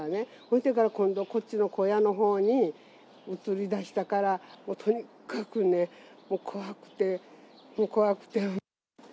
それでから今度、こっちの小屋のほうに、移りだしたから、とにかくね、怖くて、怖くて。